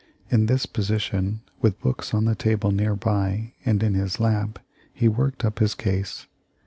In this position, with books on the table near by and in his lap, he worked up his case.